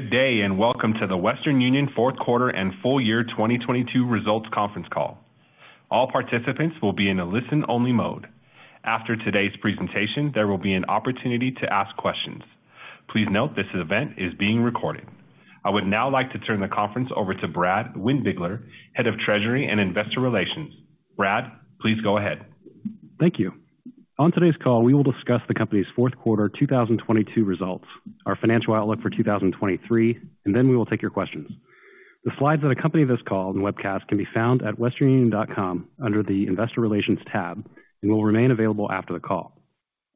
Good day, welcome to Western Union fourth quarter and full year 2022 results conference call. All participants will be in a listen-only mode. After today's presentation, there will be an opportunity to ask questions. Please note this event is being recorded. I would now like to turn the conference over to Brad Windbigler, Head of Treasury and Investor Relations. Brad, please go ahead. Thank you. On today's call, we will discuss the company's fourth quarter 2022 results, our financial outlook for 2023. Then we will take your questions. The slides that accompany this call and webcast can be found at westernunion.com under the Investor Relations tab and will remain available after the call.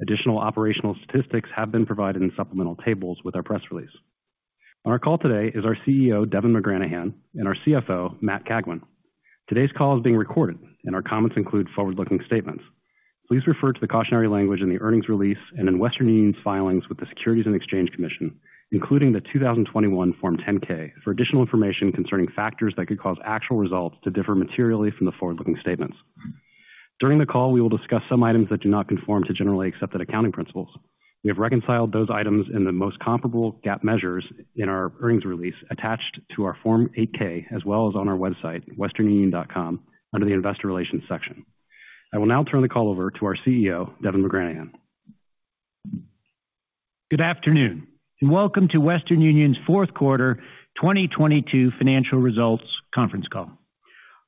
Additional operational statistics have been provided in supplemental tables with our press release. On our call today is our CEO, Devin McGranahan, and our CFO, Matt Cagwin. Today's call is being recorded. Our comments include forward-looking statements. Please refer to the cautionary language in the earnings release and in Western Union's filings with the Securities and Exchange Commission, including the 2021 Form 10-K, for additional information concerning factors that could cause actual results to differ materially from the forward-looking statements. During the call, we will discuss some items that do not conform to generally accepted accounting principles. We have reconciled those items in the most comparable GAAP measures in our earnings release attached to our Form 8-K as well as on our website, westernunion.com, under the Investor Relations section. I will now turn the call over to our CEO, Devin McGranahan. Good afternoon, welcome to Western Union's fourth quarter 2022 financial results conference call.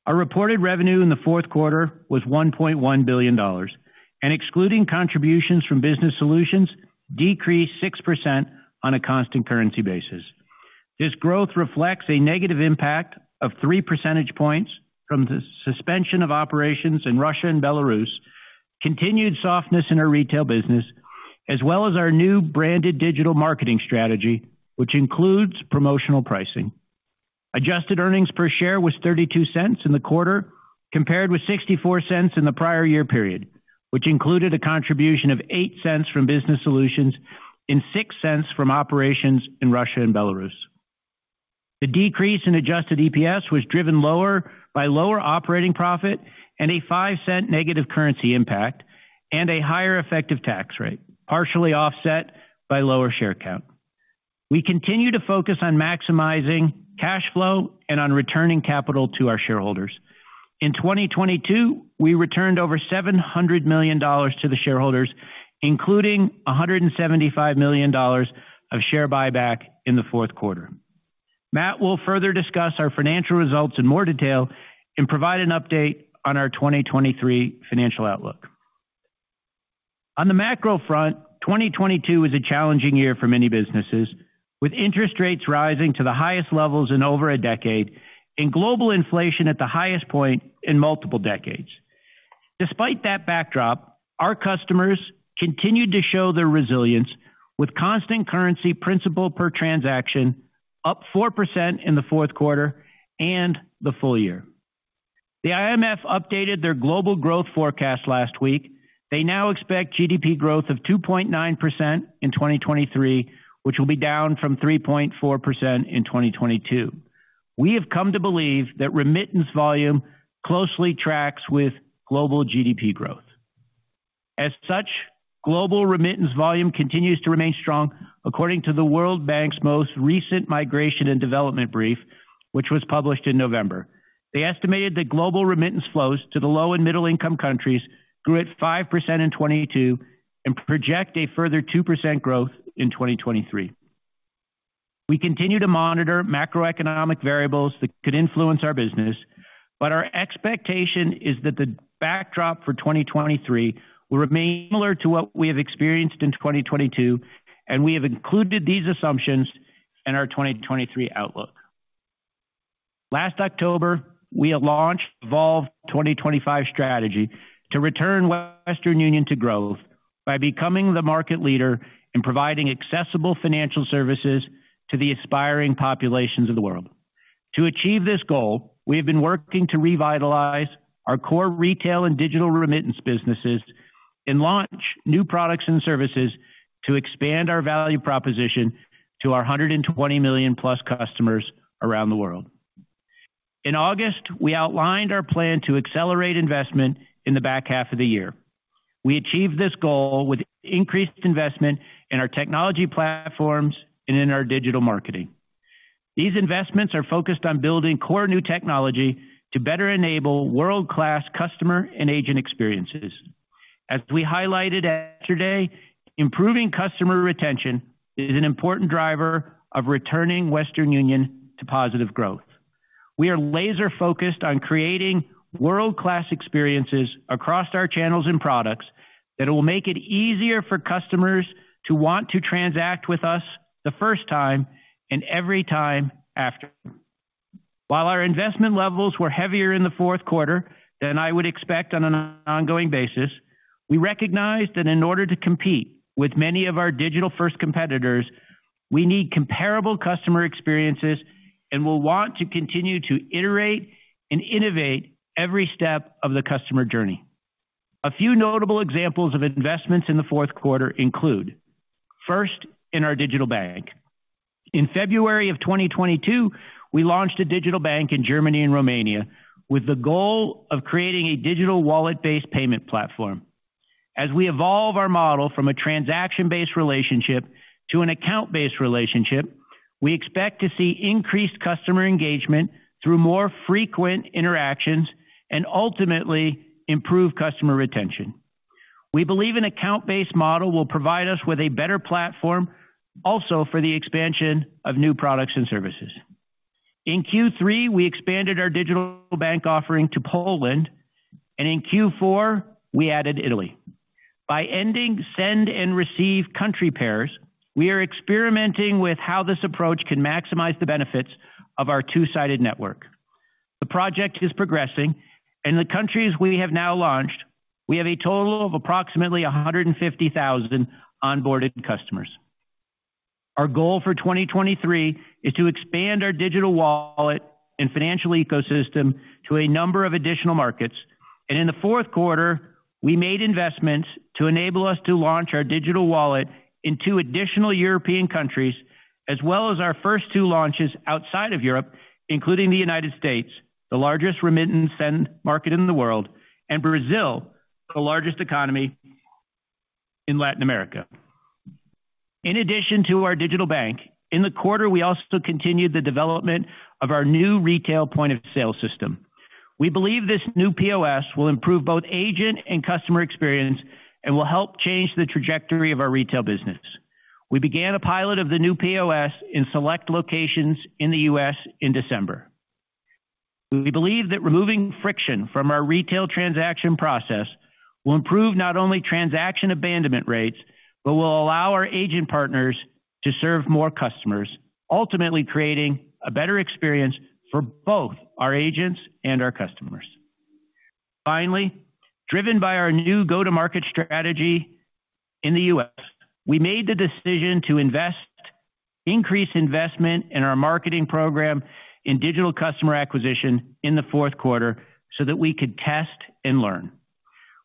Our reported revenue in the fourth quarter was $1.1 billion and, excluding contributions from Business Solutions, decreased 6% on a constant currency basis. This growth reflects a negative impact of 3 percentage points from the suspension of operations in Russia and Belarus, continued softness in our Retail business, as well as our new Branded Digital marketing strategy, which includes promotional pricing. Adjusted earnings per share was $0.32 in the quarter, compared with $0.64 in the prior year period, which included a contribution of $0.08 from Business Solutions and $0.06 from operations in Russia and Belarus. The decrease in adjusted EPS was driven lower by lower operating profit and a $0.05 negative currency impact and a higher effective tax rate, partially offset by lower share count. We continue to focus on maximizing cash flow and on returning capital to our shareholders. In 2022, we returned over $700 million to the shareholders, including $175 million of share buyback in the fourth quarter. Matt will further discuss our financial results in more detail and provide an update on our 2023 financial outlook. On the macro front, 2022 was a challenging year for many businesses, with interest rates rising to the highest levels in over a decade and global inflation at the highest point in multiple decades. Despite that backdrop, our customers continued to show their resilience, with constant currency principal per transaction up 4% in the fourth quarter and the full year. The IMF updated their global growth forecast last week. They now expect GDP growth of 2.9% in 2023, which will be down from 3.4% in 2022. We have come to believe that remittance volume closely tracks with global GDP growth. As such, global remittance volume continues to remain strong according to the World Bank's most recent Migration and Development Brief, which was published in November. They estimated that global remittance flows to the low and middle-income countries grew at 5% in 2022 and project a further 2% growth in 2023. We continue to monitor macroeconomic variables that could influence our business, but our expectation is that the backdrop for 2023 will remain similar to what we have experienced in 2022. We have included these assumptions in our 2023 outlook. Last October, we launched Evolve 2025 strategy to return Western Union to growth by becoming the market leader in providing accessible financial services to the aspiring populations of the world. To achieve this goal, we have been working to revitalize our Core Retail and Digital Remittance businesses and launch new products and services to expand our value proposition to our 120 million-plus customers around the world. In August, we outlined our plan to accelerate investment in the back half of the year. We achieved this goal with increased investment in our technology platforms and in our Digital marketing. These investments are focused on building core new technology to better enable world-class customer and agent experiences. As we highlighted yesterday, improving customer retention is an important driver of returning Western Union to positive growth. We are laser-focused on creating world-class experiences across our channels and products that will make it easier for customers to want to transact with us the first time and every time after. While our investment levels were heavier in the fourth quarter than I would expect on an ongoing basis, we recognized that in order to compete with many of our digital-first competitors, we need comparable customer experiences and will want to continue to iterate and innovate every step of the customer journey. A few notable examples of investments in the fourth quarter include first in our Digital Bank. In February of 2022, we launched a Digital Bank in Germany and Romania with the goal of creating a Digital Wallet-based payment platform. We evolve our model from a transaction-based relationship to an account-based relationship, we expect to see increased customer engagement through more frequent interactions and ultimately improve customer retention. We believe an account-based model will provide us with a better platform also for the expansion of new products and services. In Q3, we expanded our Digital Bank offering to Poland, in Q4 we added Italy. By ending send and receive country pairs, we are experimenting with how this approach can maximize the benefits of our two-sided network. The project is progressing the countries we have now launched, we have a total of approximately 150,000 onboarded customers. Our goal for 2023 is to expand our Digital Wallet and financial ecosystem to a number of additional markets. In the fourth quarter, we made investments to enable us to launch our Digital Wallet in two additional European countries, as well as our first two launches outside of Europe, including the United States, the largest remittance send market in the world, and Brazil, the largest economy in Latin America. In addition to our Digital Bank, in the quarter, we also continued the development of our new Retail Point of Sale system. We believe this new POS will improve both agent and customer experience and will help change the trajectory of our Retail business. We began a pilot of the new POS in select locations in the U.S. in December. We believe that removing friction from our Retail transaction process will improve not only transaction abandonment rates, but will allow our agent partners to serve more customers, ultimately creating a better experience for both our agents and our customers. Finally, driven by our new Go-to-Market strategy in the U.S., we made the decision to increase investment in our marketing program in Digital customer acquisition in the fourth quarter so that we could test and learn.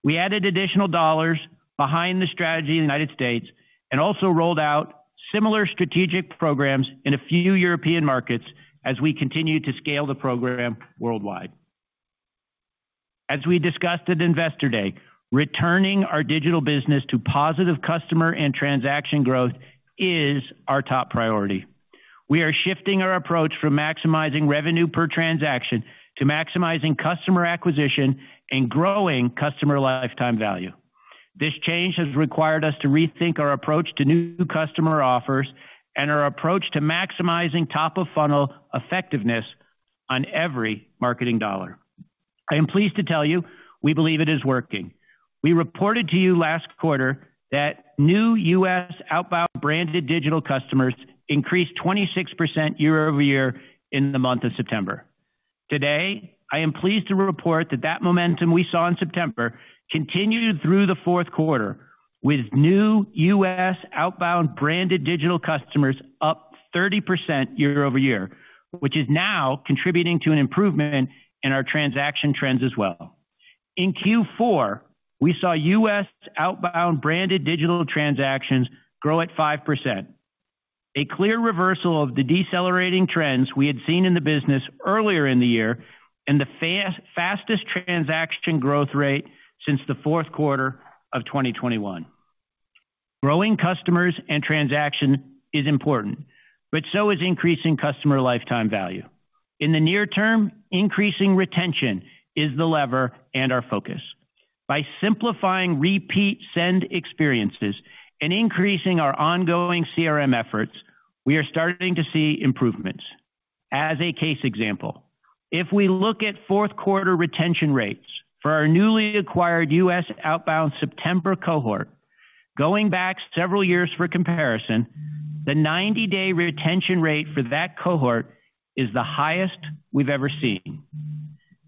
We added additional dollars behind the strategy in the United States and also rolled out similar strategic programs in a few European markets as we continue to scale the program worldwide. As we discussed at Investor Day, returning our Digital business to positive customer and transaction growth is our top priority. We are shifting our approach from maximizing revenue per transaction to maximizing customer acquisition and growing customer lifetime value. This change has required us to rethink our approach to new customer offers and our approach to maximizing top of funnel effectiveness on every marketing dollar. I am pleased to tell you we believe it is working. We reported to you last quarter that new U.S. outbound Branded Digital customers increased 26% year-over-year in the month of September. Today, I am pleased to report that momentum we saw in September continued through the fourth quarter with new U.S. outbound Branded Digital customers up 30% year-over-year, which is now contributing to an improvement in our transaction trends as well. In Q4, we saw U.S. outbound Branded Digital transactions grow at 5%. A clear reversal of the decelerating trends we had seen in the business earlier in the year and the fastest transaction growth rate since the fourth quarter of 2021. Growing customers and transaction is important, but so is increasing customer lifetime value. In the near term, increasing retention is the lever and our focus. By simplifying repeat send experiences and increasing our ongoing CRM efforts, we are starting to see improvements. As a case example, if we look at fourth quarter retention rates for our newly acquired U.S. outbound September cohort, going back several years for comparison, the 90-day retention rate for that cohort is the highest we've ever seen.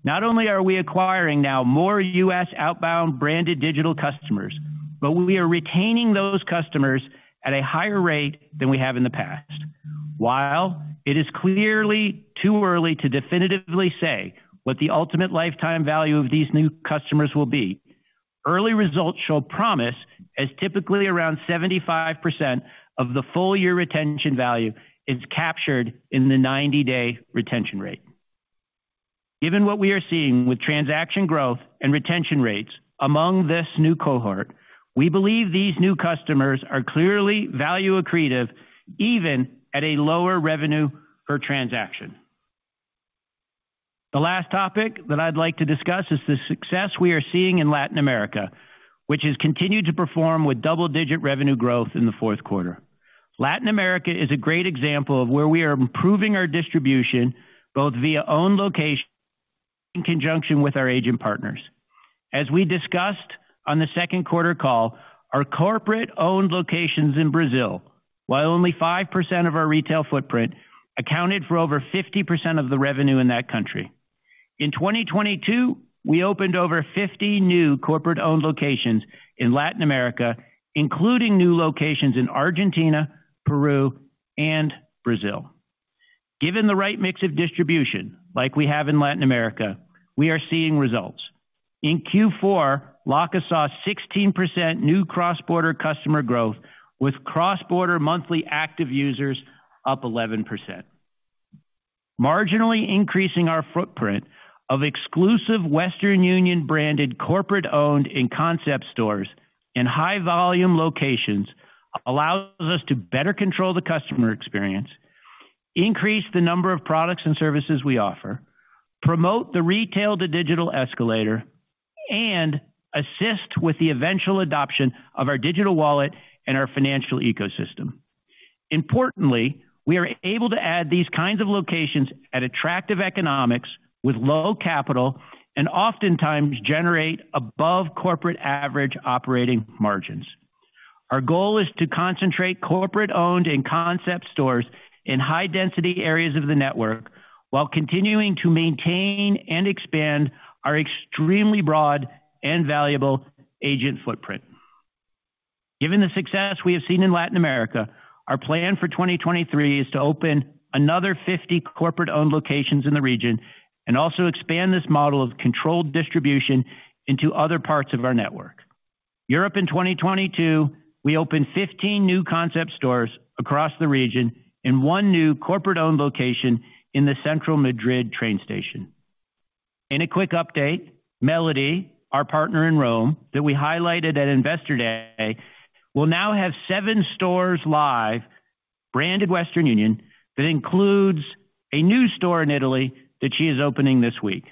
Not only are we acquiring now more U.S. outbound Branded Digital customers, but we are retaining those customers at a higher rate than we have in the past. While it is clearly too early to definitively say what the ultimate lifetime value of these new customers will be, early results show promise as typically around 75% of the full year retention value is captured in the 90-day retention rate. Given what we are seeing with transaction growth and retention rates among this new cohort, we believe these new customers are clearly value accretive even at a lower revenue per transaction. The last topic that I'd like to discuss is the success we are seeing in Latin America, which has continued to perform with double-digit revenue growth in the fourth quarter. Latin America is a great example of where we are improving our distribution both via owned location in conjunction with our agent partners. As we discussed on the second quarter call, our corporate-owned locations in Brazil, while only 5% of our Retail footprint, accounted for over 50% of the revenue in that country. In 2022, we opened over 50 new corporate-owned locations in Latin America, including new locations in Argentina, Peru, and Brazil. Given the right mix of distribution, like we have in Latin America, we are seeing results. In Q4, LACA saw 16% new cross-border customer growth with cross-border monthly active users up 11%. Marginally increasing our footprint of exclusive Western Union Branded corporate-owned and concept stores in high volume locations allows us to better control the customer experience, increase the number of products and services we offer, promote the Retail to Digital Escalator and assist with the eventual adoption of our Digital Wallet and our financial ecosystem. Importantly, we are able to add these kinds of locations at attractive economics with low capital and oftentimes generate above corporate average operating margins. Our goal is to concentrate corporate-owned and concept stores in high density areas of the network while continuing to maintain and expand our extremely broad and valuable agent footprint. Given the success we have seen in Latin America, our plan for 2023 is to open another 50 corporate-owned locations in the region and also expand this model of controlled distribution into other parts of our network. Europe in 2022, we opened 15 new concept stores across the region and one new corporate-owned location in the central Madrid train station. In a quick update, Melody, our partner in Rome that we highlighted at Investor Day, will now have seven stores live Branded Western Union. That includes a new store in Italy that she is opening this week.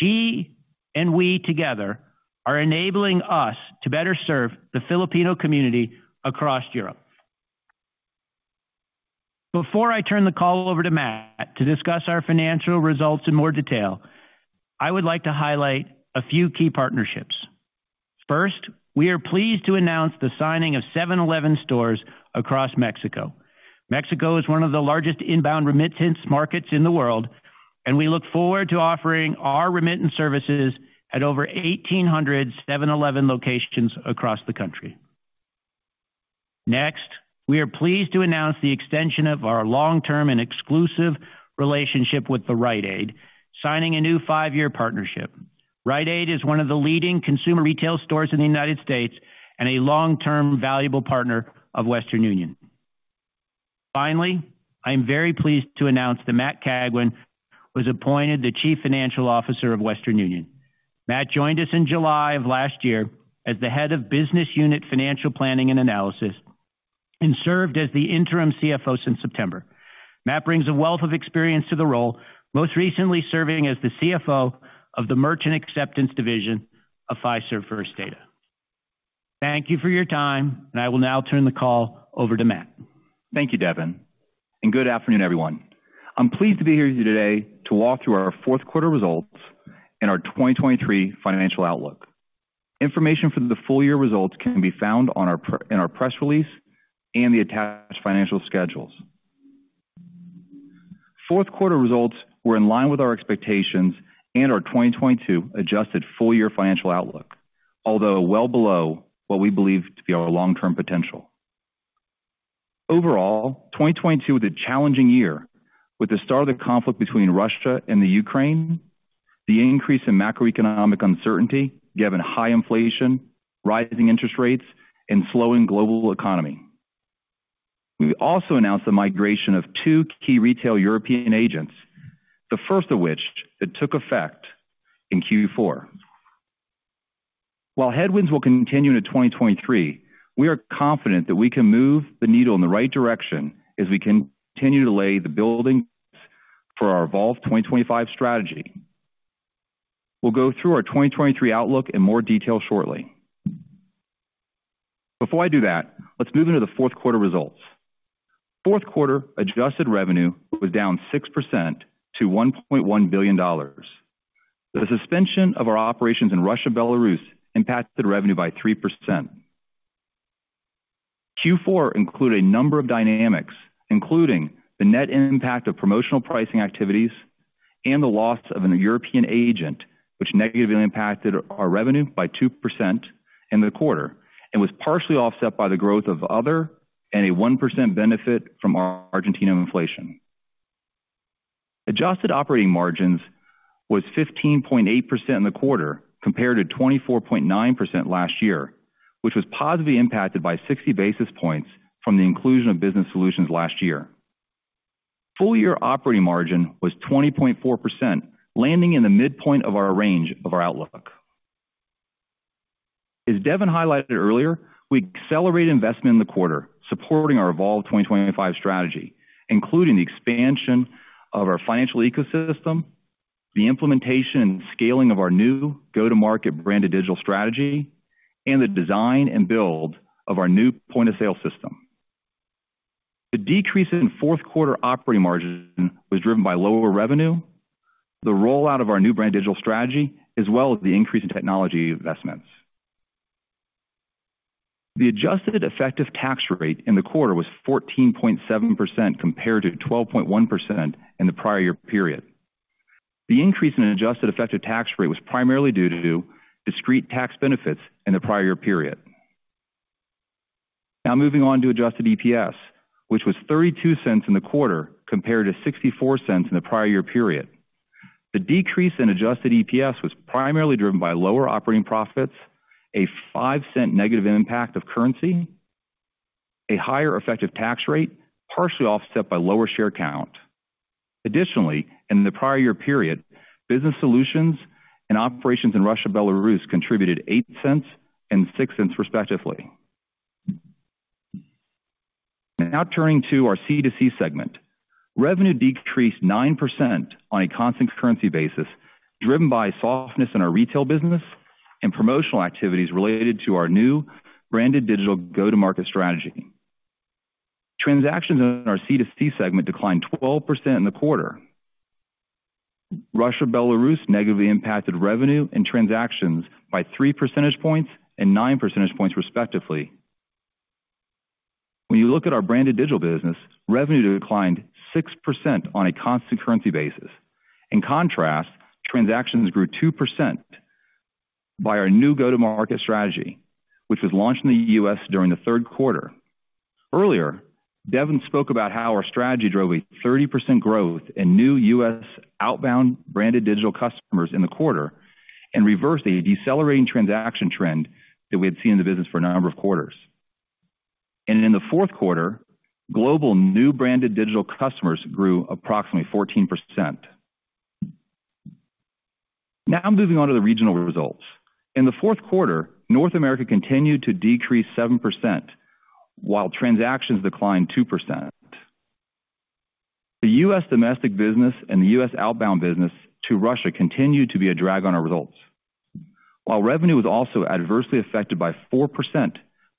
She and we together are enabling us to better serve the Filipino community across Europe. Before I turn the call over to Matt to discuss our financial results in more detail, I would like to highlight a few key partnerships. First, we are pleased to announce the signing of 7-Eleven stores across Mexico. Mexico is one of the largest inbound remittance markets in the world, and we look forward to offering our remittance services at over 1,800 7-Eleven locations across the country. Next, we are pleased to announce the extension of our long-term and exclusive relationship with Rite Aid, signing a new five-year partnership. Rite Aid is one of the leading consumer retail stores in the United States and a long-term valuable partner of Western Union. I am very pleased to announce that Matt Cagwin was appointed the Chief Financial Officer of Western Union. Matt joined us in July of last year as the head of Business Unit Financial Planning and Analysis and served as the interim CFO since September. Matt brings a wealth of experience to the role, most recently serving as the CFO of the Merchant Acceptance division of Fiserv First Data. Thank you for your time. I will now turn the call over to Matt. Thank you, Devin, and good afternoon, everyone. I'm pleased to be here with you today to walk through our fourth quarter results and our 2023 financial outlook. Information for the full year results can be found in our press release and the attached financial schedules. Fourth quarter results were in line with our expectations and our 2022 adjusted full year financial outlook, although well below what we believe to be our long-term potential. Overall, 2022 was a challenging year with the start of the conflict between Russia and the Ukraine, the increase in macroeconomic uncertainty given high inflation, rising interest rates and slowing global economy. We also announced the migration of two key Retail European agents, the first of which that took effect in Q4. While headwinds will continue into 2023, we are confident that we can move the needle in the right direction as we continue to lay the building for our Evolve 2025 strategy. We'll go through our 2023 outlook in more detail shortly. Before I do that, let's move into the fourth quarter results. Fourth quarter adjusted revenue was down 6% to $1.1 billion. The suspension of our operations in Russia, Belarus impacted revenue by 3%. Q4 include a number of dynamics, including the net impact of promotional pricing activities and the loss of an European agent, which negatively impacted our revenue by 2% in the quarter and was partially offset by the growth of other and a 1% benefit from Argentina inflation. Adjusted operating margins was 15.8% in the quarter compared to 24.9% last year, which was positively impacted by 60 basis points from the inclusion of Business Solutions last year. Full year operating margin was 20.4%, landing in the midpoint of our range of our outlook. As Devin highlighted earlier, we accelerated investment in the quarter supporting our Evolve 2025 strategy, including the expansion of our financial ecosystem, the implementation and scaling of our new Go-to-Market Branded Digital strategy, and the design and build of our new point of sale system. The decrease in fourth quarter operating margin was driven by lower revenue, the rollout of our new Branded Digital strategy, as well as the increase in technology investments. The adjusted effective tax rate in the quarter was 14.7% compared to 12.1% in the prior year period. The increase in adjusted effective tax rate was primarily due to discrete tax benefits in the prior year period. Moving on to adjusted EPS, which was $0.32 in the quarter compared to $0.64 in the prior year period. The decrease in adjusted EPS was primarily driven by lower operating profits, a $0.05 negative impact of currency, a higher effective tax rate partially offset by lower share count. Additionally, in the prior year period, Business Solutions and operations in Russia, Belarus contributed $0.08 and $0.06 respectively. Turning to our C2C segment. Revenue decreased 9% on a constant currency basis, driven by softness in our Retail business and promotional activities related to our new Branded Digital Go-to-Market strategy. Transactions in our C2C segment declined 12% in the quarter. Russia, Belarus negatively impacted revenue and transactions by 3 percentage points and 9 percentage points respectively. When you look at our Branded Digital business, revenue declined 6% on a constant currency basis. In contrast, transactions grew 2% by our new go-to-market strategy, which was launched in the U.S. during the third quarter. Earlier, Devin spoke about how our strategy drove a 30% growth in new U.S. outbound Branded Digital customers in the quarter and reversed a decelerating transaction trend that we had seen in the business for a number of quarters. In the fourth quarter, global new Branded Digital customers grew approximately 14%. Moving on to the regional results. In the fourth quarter, North America continued to decrease 7% while transactions declined 2%. The U.S. domestic business and the U.S. outbound business to Russia continued to be a drag on our results. Revenue was also adversely affected by 4%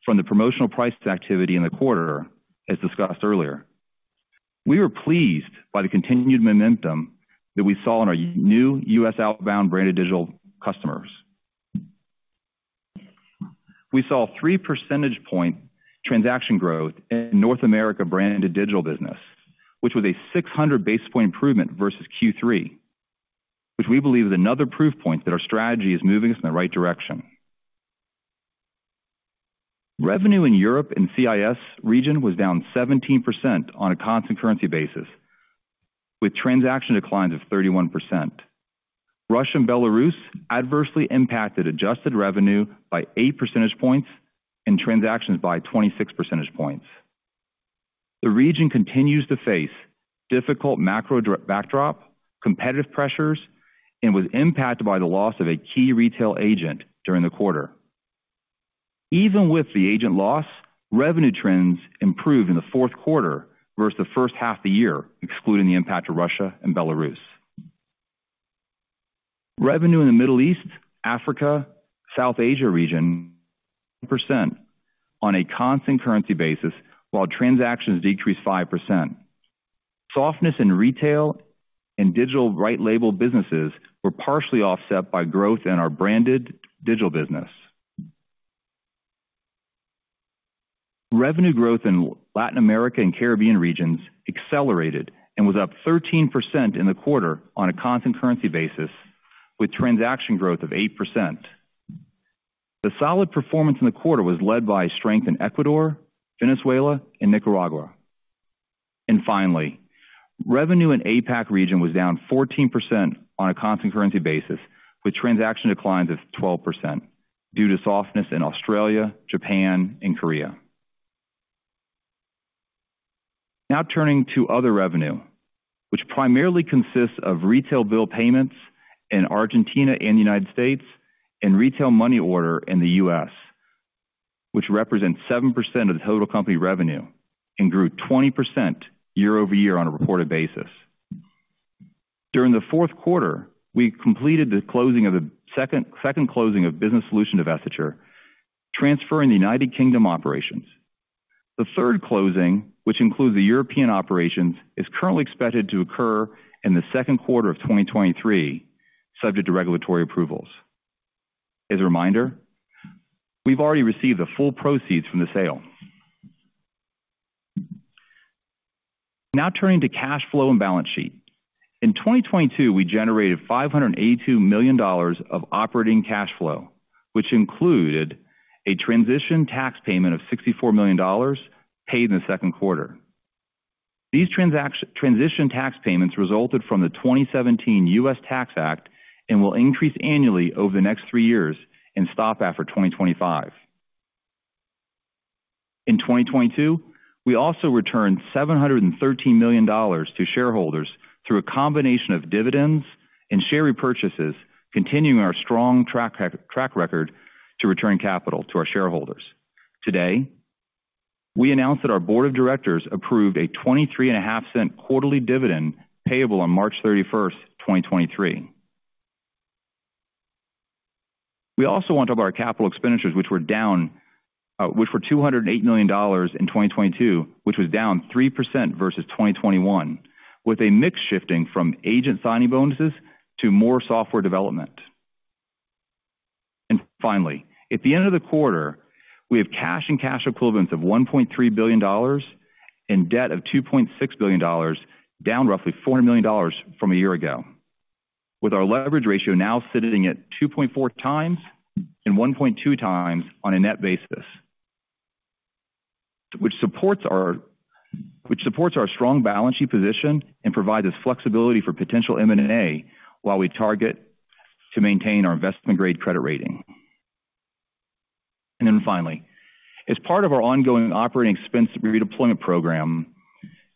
from the promotional price activity in the quarter, as discussed earlier. We were pleased by the continued momentum that we saw in our new U.S. outbound Branded Digital customers. We saw 3 percentage point transaction growth in North America Branded Digital business, which was a 600 basis point improvement versus Q3, which we believe is another proof point that our strategy is moving us in the right direction. Revenue in Europe and CIS region was down 17% on a constant currency basis, with transaction declines of 31%. Russia and Belarus adversely impacted adjusted revenue by 8 percentage points and transactions by 26 percentage points. The region continues to face difficult macro backdrop, competitive pressures, and was impacted by the loss of a key Retail agent during the quarter. Even with the agent loss, revenue trends improved in the fourth quarter versus the first half of the year, excluding the impact of Russia and Belarus. Revenue in the Middle East, Africa, South Asia region percent on a constant currency basis while transactions decreased 5%. Softness in Retail and Digital White-Label businesses were partially offset by growth in our Branded Digital business. Revenue growth in Latin America and Caribbean regions accelerated and was up 13% in the quarter on a constant currency basis, with transaction growth of 8%. The solid performance in the quarter was led by strength in Ecuador, Venezuela and Nicaragua. Finally, revenue in APAC region was down 14% on a constant currency basis, with transaction declines of 12% due to softness in Australia, Japan and Korea. Now turning to other revenue, which primarily consists of Retail bill payments in Argentina and United States and Retail money order in the U.S., which represents 7% of the total company revenue and grew 20% year-over-year on a reported basis. During the fourth quarter, we completed the second closing of Business Solutions divestiture, transferring the United Kingdom operations. The third closing, which includes the European operations, is currently expected to occur in the second quarter of 2023, subject to regulatory approvals. As a reminder, we've already received the full proceeds from the sale. Now turning to cash flow and balance sheet. In 2022, we generated $582 million of operating cash flow, which included a transition tax payment of $64 million paid in the second quarter. These transition tax payments resulted from the 2017 U.S. Tax Act and will increase annually over the next three years and stop after 2025. In 2022, we also returned $713 million to shareholders through a combination of dividends and share repurchases, continuing our strong track record to return capital to our shareholders. Today, we announced that our board of directors approved a $0.235 quarterly dividend payable on March 31st, 2023. We also want to talk about our CapEx which were down, which were $208 million in 2022, which was down 3% versus 2021, with a mix shifting from agent signing bonuses to more software development. Finally, at the end of the quarter, we have cash and cash equivalents of $1.3 billion and debt of $2.6 billion, down roughly $400 million from a year ago, with our leverage ratio now sitting at 2.4x and 1.2x on a net basis, which supports our strong balance sheet position and provides us flexibility for potential M&A while we target to maintain our investment grade credit rating. Finally, as part of our ongoing operating expense redeployment program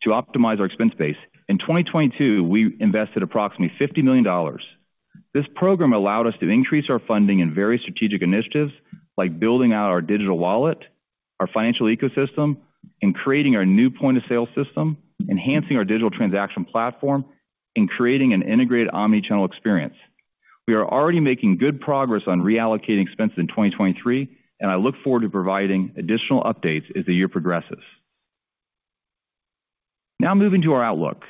to optimize our expense base, in 2022, we invested approximately $50 million. This program allowed us to increase our funding in very strategic initiatives like building out our Digital Wallet, our financial ecosystem, and creating our new point of sale system, enhancing our Digital transaction platform, and creating an integrated omni-channel experience. We are already making good progress on reallocating expenses in 2023, I look forward to providing additional updates as the year progresses. Moving to our outlook.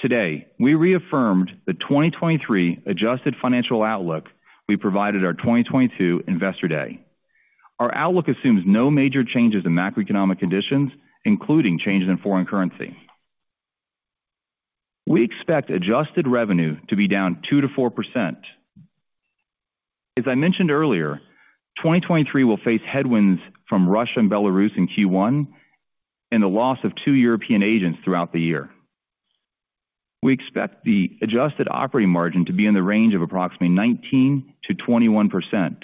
Today, we reaffirmed the 2023 adjusted financial outlook we provided our 2022 Investor Day. Our outlook assumes no major changes in macroeconomic conditions, including changes in foreign currency. We expect adjusted revenue to be down 2%-4%. As I mentioned earlier, 2023 will face headwinds from Russia and Belarus in Q1 and the loss of two European agents throughout the year. We expect the adjusted operating margin to be in the range of approximately 19%-21%.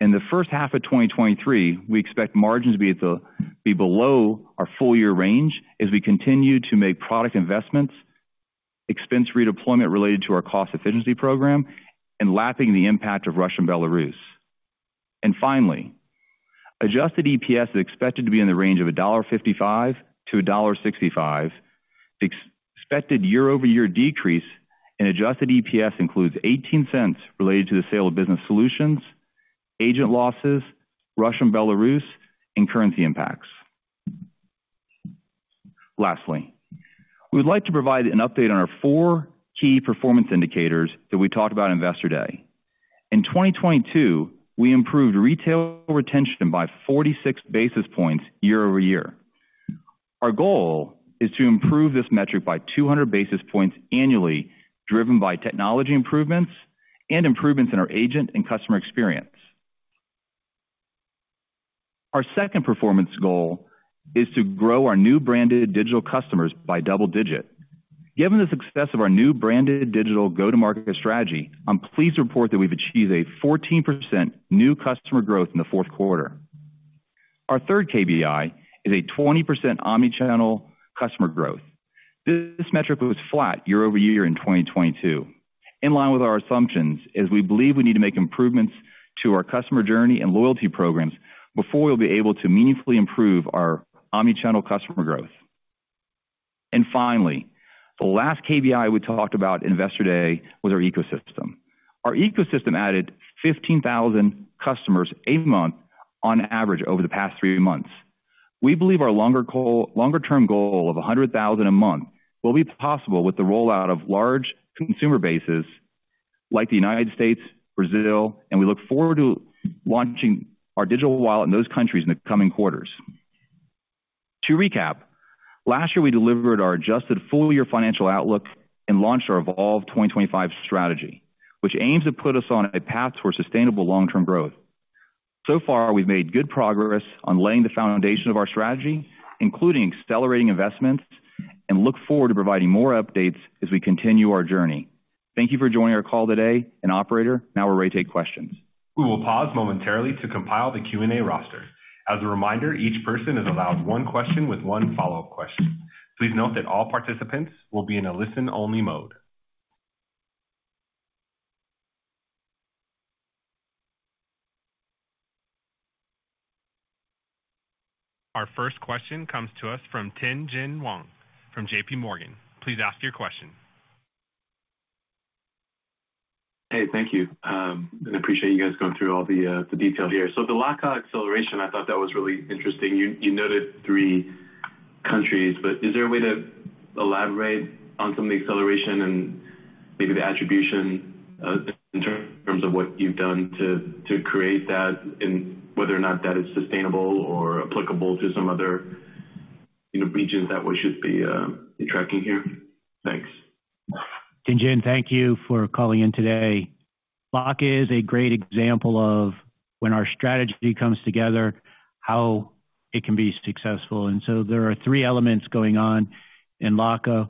In the first half of 2023, we expect margins to be below our full year range as we continue to make product investments, expense redeployment related to our cost efficiency program, and lapping the impact of Russia and Belarus. Finally, adjusted EPS is expected to be in the range of $1.55-$1.65. The expected year-over-year decrease in adjusted EPS includes $0.18 related to the sale of Business Solutions, agent losses, Russia and Belarus, and currency impacts. Lastly, we would like to provide an update on our 4 key performance indicators that we talked about in Investor Day. In 2022, we improved Retail retention by 46 basis points year-over-year. Our goal is to improve this metric by 200 basis points annually, driven by technology improvements and improvements in our agent and customer experience. Our second performance goal is to grow our new Branded Digital customers by double-digit. Given the success of our new Branded Digital Go-to-Market strategy, I'm pleased to report that we've achieved a 14% new customer growth in the fourth quarter. Our third KPI is a 20% omni-channel customer growth. This metric was flat year-over-year in 2022, in line with our assumptions, as we believe we need to make improvements to our customer journey and loyalty programs before we'll be able to meaningfully improve our omni-channel customer growth. Finally, the last KPI we talked about in Investor Day was our ecosystem. Our ecosystem added 15,000 customers a month on average over the past 3 months. We believe our longer term goal of 100,000 a month will be possible with the rollout of large consumer bases like the United States, Brazil, and we look forward to launching our Digital Wallet in those countries in the coming quarters. Last year, we delivered our adjusted full-year financial outlook and launched our Evolve 2025 strategy, which aims to put us on a path towards sustainable long-term growth. We've made good progress on laying the foundation of our strategy, including accelerating investments, and look forward to providing more updates as we continue our journey. Thank you for joining our call today. Operator, now we're ready to take questions. We will pause momentarily to compile the Q&A roster. As a reminder, each person is allowed one question with one follow-up question. Please note that all participants will be in a listen only mode. Our first question comes to us from Tien-Tsin Huang from JPMorgan. Please ask your question. Hey, thank you. Appreciate you guys going through all the details here. The LACA acceleration, I thought that was really interesting. You noted three countries. Is there a way to elaborate on some of the acceleration and maybe the attribution in terms of what you've done to create that and whether or not that is sustainable or applicable to some other, you know, regions that we should be tracking here? Thanks. Tien-Tsin, thank you for calling in today. LACA is a great example of when our strategy comes together, how it can be successful. There are three elements going on in LACA.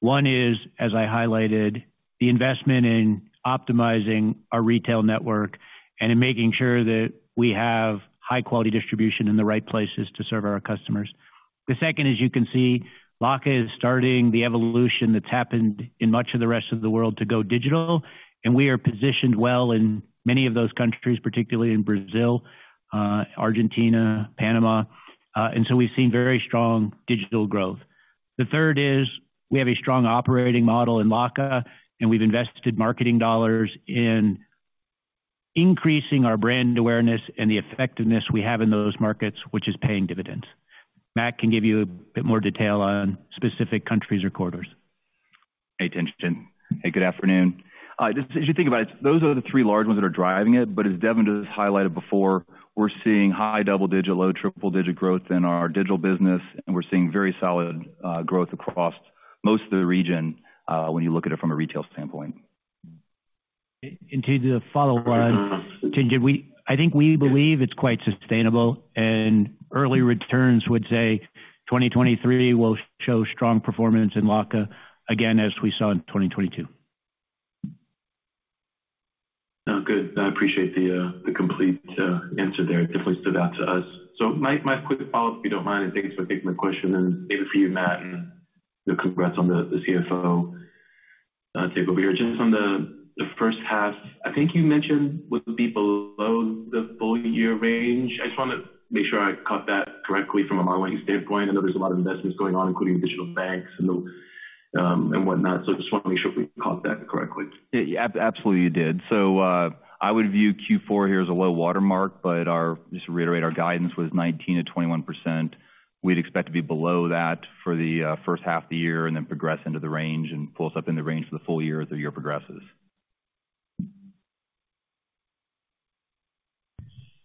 One is, as I highlighted, the investment in optimizing our Retail network and in making sure that we have high-quality distribution in the right places to serve our customers. The second, as you can see, LACA is starting the evolution that's happened in much of the rest of the world to go digital, and we are positioned well in many of those countries, particularly in Brazil, Argentina, Panama. We've seen very strong Digital growth. The third is we have a strong operating model in LACA, and we've invested marketing dollars in increasing our brand awareness and the effectiveness we have in those markets, which is paying dividends. Matt can give you a bit more detail on specific countries or quarters. Hey, Tien-Tsin. Hey, good afternoon. Just as you think about it, those are the three large ones that are driving it. As Devin just highlighted before, we're seeing high double-digit, low triple-digit growth in our Digital business, and we're seeing very solid growth across most of the region when you look at it from a Retail standpoint. To the follow on, I think we believe it's quite sustainable, and early returns would say 2023 will show strong performance in LACA again, as we saw in 2022. Oh, good. I appreciate the complete answer there. It definitely stood out to us. My quick follow-up, if you don't mind, and thanks for taking my question. Maybe for you, Matt, and congrats on the CFO takeover. Just on the first half, I think you mentioned would be below the full year range. I just want to make sure I caught that correctly from a modeling standpoint. I know there's a lot of investments going on, including Digital Bank. I just want to make sure if we caught that correctly. absolutely, you did. I would view Q4 here as a low watermark, just to reiterate, our guidance was 19%-21%. We'd expect to be below that for the first half of the year and then progress into the range and close up in the range for the full year as the year progresses.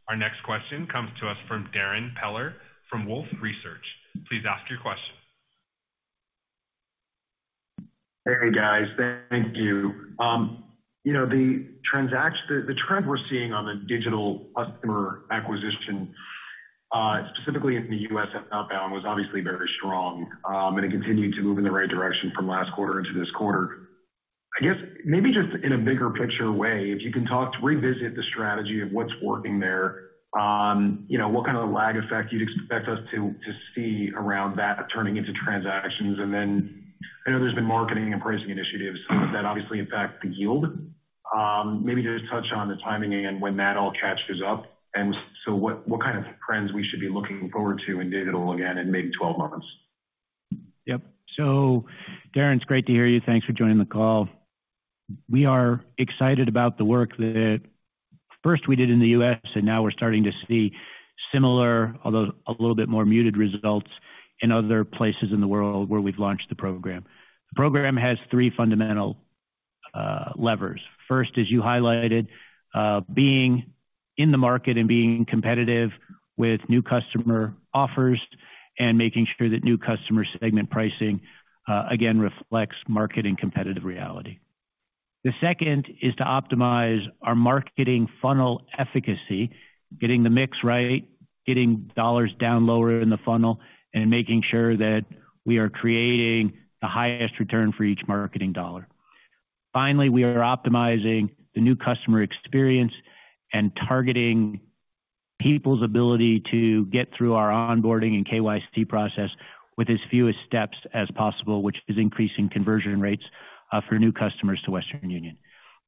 Our next question comes to us from Darrin Peller from Wolfe Research. Please ask your question. Hey, guys. Thank you. You know, the trend we're seeing on the Digital customer acquisition, specifically in the U.S. and outbound was obviously very strong, and it continued to move in the right direction from last quarter into this quarter. I guess maybe just in a bigger picture way, if you can talk to revisit the strategy of what's working there, you know, what kind of lag effect you'd expect us to see around that turning into transactions. I know there's been marketing and pricing initiatives that obviously impact the yield. Maybe just touch on the timing and when that all catches up. What kind of trends we should be looking forward to in Digital again in maybe 12 months. Yep. Darrin, it's great to hear you. Thanks for joining the call. We are excited about the work that first we did in the U.S., and now we're starting to see similar, although a little bit more muted results in other places in the world where we've launched the program. The program has three fundamental levers. First, as you highlighted, being in the market and being competitive with new customer offers and making sure that new customer segment pricing again reflects market and competitive reality. The second is to optimize our marketing funnel efficacy, getting the mix right, getting dollars down lower in the funnel, and making sure that we are creating the highest return for each marketing dollar. Finally, we are optimizing the new customer experience and targeting people's ability to get through our onboarding and KYC process with as few steps as possible, which is increasing conversion rates for new customers to Western Union.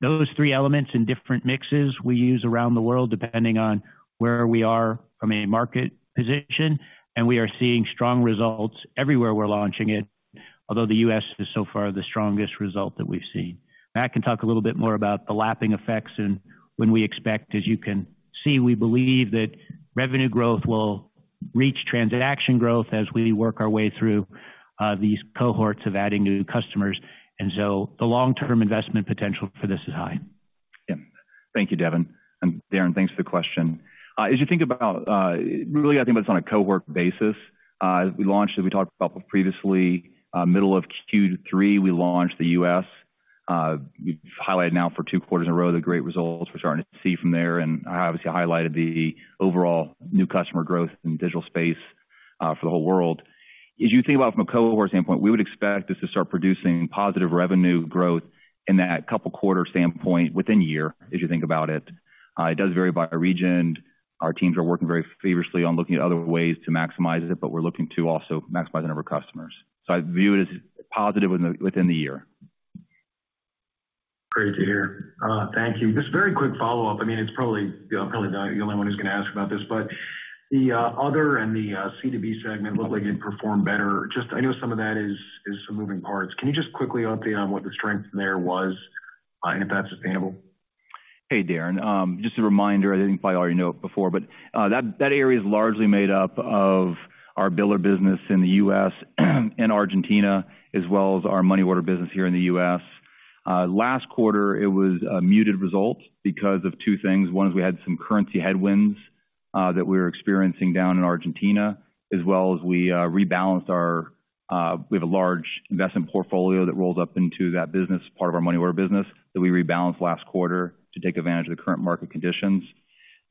Those three elements in different mixes we use around the world depending on where we are from a market position, and we are seeing strong results everywhere we're launching it. Although the U.S. is so far the strongest result that we've seen. Matt can talk a little bit more about the lapping effects and when we expect. As you can see, we believe that revenue growth will reach transaction growth as we work our way through these cohorts of adding new customers. The long-term investment potential for this is high. Yeah. Thank you, Devin. Darrin, thanks for the question. As you think about, really I think about this on a cohort basis. We launched, as we talked about previously, middle of Q3 we launched the U.S. We've highlighted now for two quarters in a row the great results we're starting to see from there, and I obviously highlighted the overall new customer growth in Digital space, for the whole world. As you think about from a cohort standpoint, we would expect this to start producing positive revenue growth in that couple quarter standpoint within a year, as you think about it. It does vary by region. Our teams are working very vigorously on looking at other ways to maximize it, but we're looking to also maximize the number of customers. I view it as positive within the year. Great to hear. Thank you. Just very quick follow-up. I mean, it's probably, I'm probably the only one who's going to ask about this. The, other and the, C2C segment looked like it performed better. Just I know some of that is some moving parts. Can you just quickly update on what the strength there was and if that's sustainable? Hey, Darrin. Just a reminder, I think you probably already know it before, but that area is largely made up of our biller business in the U.S. and Argentina, as well as our money order business here in the U.S. Last quarter it was a muted result because of two things. One is we had some currency headwinds that we were experiencing down in Argentina, as well as we rebalanced our, we have a large investment portfolio that rolls up into that business, part of our money order business, that we rebalanced last quarter to take advantage of the current market conditions.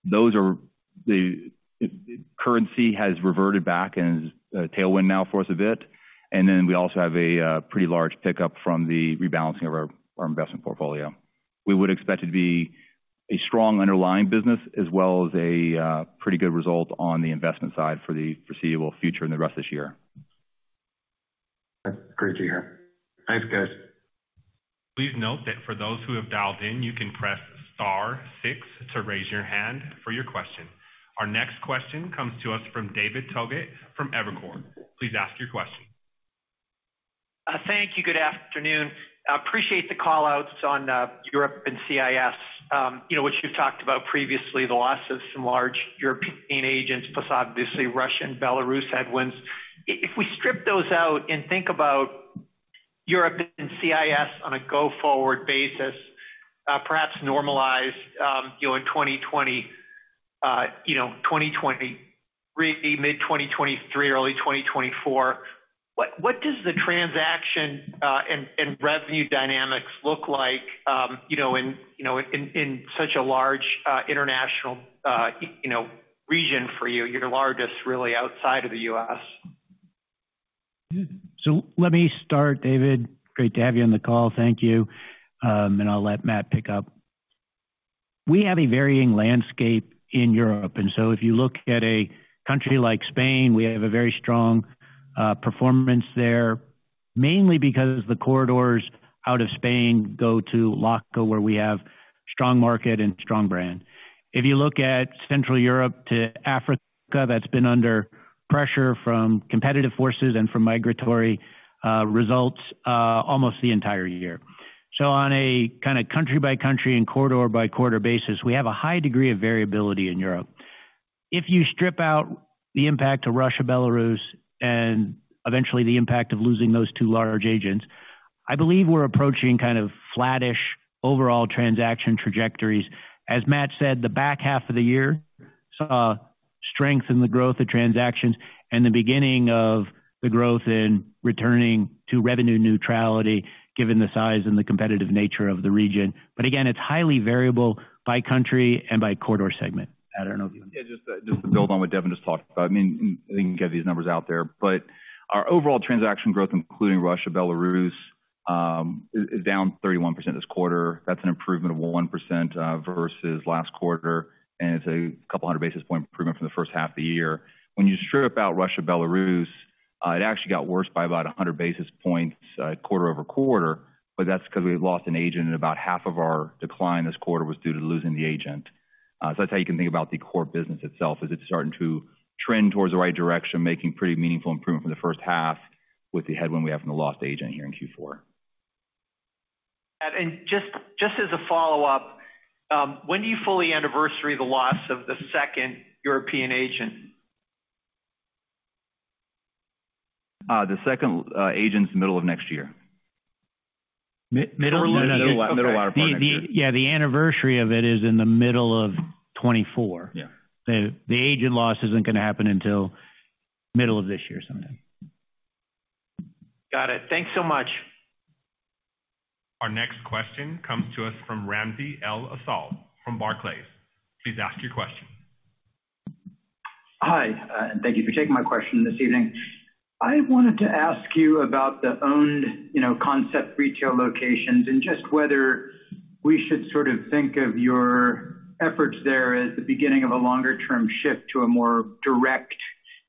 Those are the—Currency has reverted back and is a tailwind now for us a bit. Then we also have a pretty large pickup from the rebalancing of our investment portfolio. We would expect it to be a strong underlying business as well as a pretty good result on the investment side for the foreseeable future and the rest of this year. That's great to hear. Thanks, guys. Please note that for those who have dialed in, you can press star six to raise your hand for your question. Our next question comes to us from David Togut from Evercore. Please ask your question. Thank you. Good afternoon. Appreciate the call outs on Europe and CIS. You know, what you've talked about previously, the loss of some large European agents, plus obviously Russian Belarus headwinds. If we strip those out and think about Europe and CIS on a go-forward basis, perhaps normalized. You know, in 2020, you know, really mid-2023, early 2024. What does the transaction and revenue dynamics look like, you know, in such a large international region for you? Your largest really outside of the U.S. Let me start, David. Great to have you on the call. Thank you. I'll let Matt pick up. We have a varying landscape in Europe. If you look at a country like Spain, we have a very strong performance there, mainly because the corridors out of Spain go to LACA, where we have strong market and strong brand. If you look at Central Europe to Africa, that's been under pressure from competitive forces and from migratory results almost the entire year. On a kind of country by country and corridor by corridor basis, we have a high degree of variability in Europe. If you strip out the impact of Russia, Belarus, and eventually the impact of losing those two large agents, I believe we're approaching kind of flattish overall transaction trajectories. As Matt said, the back half of the year saw strength in the growth of transactions and the beginning of the growth in returning to revenue neutrality, given the size and the competitive nature of the region. Again, it's highly variable by country and by corridor segment. Matt, I don't know if. just to build on what Devin just talked about. I mean, I think you can get these numbers out there, our overall transaction growth, including Russia, Belarus, is down 31% this quarter. That's an improvement of 1% versus last quarter, and it's a couple hundred basis point improvement from the first half of the year. When you strip out Russia, Belarus, it actually got worse by about 100 basis points quarter-over-quarter. That's 'cause we've lost an agent, and about half of our decline this quarter was due to losing the agent. That's how you can think about the core business itself, is it's starting to trend towards the right direction, making pretty meaningful improvement from the first half with the headwind we have from the lost agent here in Q4. Just as a follow-up, when do you fully anniversary the loss of the second European agent? The second agent's middle of next year. middle of Middle of next year? Okay. Middle part of next year. Yeah, the anniversary of it is in the middle of 2024. Yeah. The agent loss isn't gonna happen until middle of this year sometime. Got it. Thanks so much. Our next question comes to us from Ramsey El-Assal from Barclays. Please ask your question. Hi. Thank you for taking my question this evening. I wanted to ask you about the owned, you know, concept Retail locations and just whether we should sort of think of your efforts there as the beginning of a longer term shift to a more direct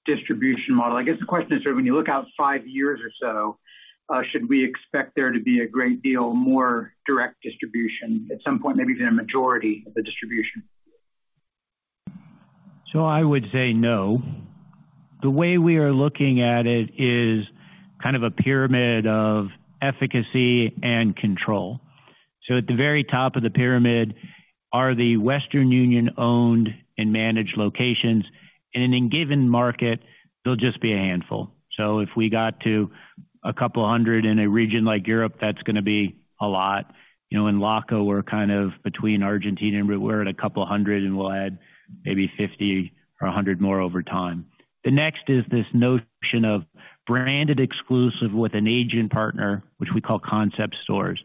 distribution model. I guess the question is, when you look out five years or so, should we expect there to be a great deal more direct distribution at some point, maybe even a majority of the distribution? I would say no. The way we are looking at it is kind of a pyramid of efficacy and control. At the very top of the pyramid are the Western Union owned and managed locations. In a given market, they'll just be a handful. If we got to 200 in a region like Europe, that's gonna be a lot. You know, in LACA, we're kind of between Argentina and we're at 200, and we'll add maybe 50 or 100 more over time. The next is this notion of Branded exclusive with an agent partner, which we call concept stores.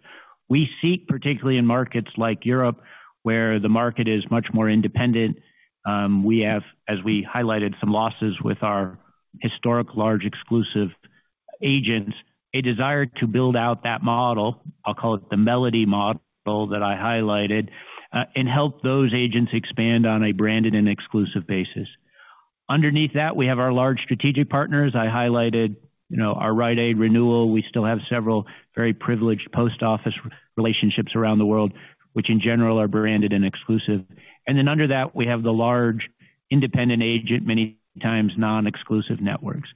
We seek, particularly in markets like Europe, where the market is much more independent. We have, as we highlighted some losses with our historic large exclusive agents, a desire to build out that model. I'll call it the Melody model that I highlighted and help those agents expand on a Branded and exclusive basis. Underneath that, we have our large strategic partners. I highlighted, you know, our Rite Aid renewal. We still have several very privileged post office relationships around the world, which in general are Branded and exclusive. Under that, we have the large independent agent, many times non-exclusive networks.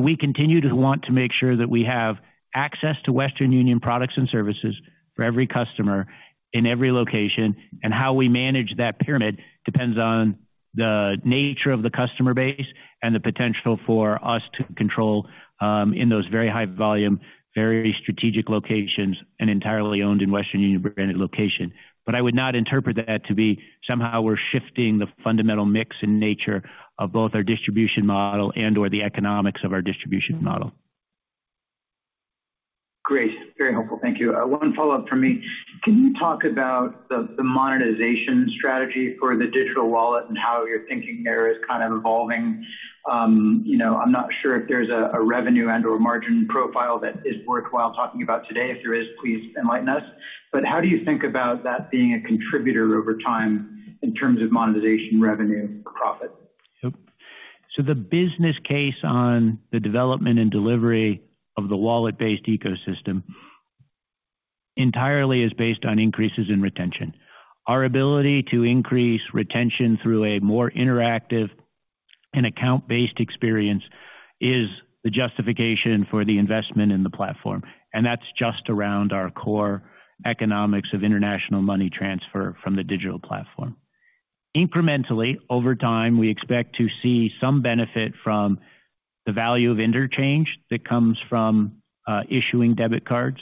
We continue to want to make sure that we have access to Western Union products and services for every customer in every location. How we manage that pyramid depends on the nature of the customer base and the potential for us to control in those very high volume, very strategic locations and entirely owned in Western Union Branded location. I would not interpret that to be somehow we're shifting the fundamental mix and nature of both our distribution model and, or the economics of our distribution model. Great. Very helpful. Thank you. One follow-up from me. Can you talk about the monetization strategy for the Digital Wallet and how your thinking there is kind of evolving? You know, I'm not sure if there's a revenue and/or margin profile that is worthwhile talking about today. If there is, please enlighten us. How do you think about that being a contributor over time in terms of monetization, revenue, profit? The business case on the development and delivery of the wallet-based ecosystem entirely is based on increases in retention. Our ability to increase retention through a more interactive and account-based experience is the justification for the investment in the platform, and that's just around our core economics of international money transfer from the Digital platform. Incrementally over time, we expect to see some benefit from the value of interchange that comes from issuing debit cards,